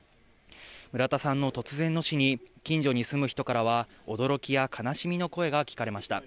村田さんの突然の死に近所に住む人からは驚きや悲しみの声が聞かれました。